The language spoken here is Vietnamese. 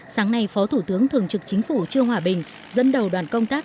sáng nay phó thủ tướng thường trực chính phủ trương hòa bình dẫn đầu đoàn công tác